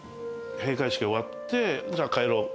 閉会式が終わってじゃあ、帰ろう。